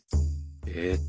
えっと